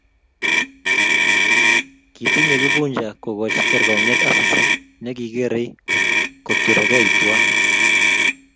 Kitinyei Kifuja kokoch kergongyet Asisi ne kikerei koturekei tuwai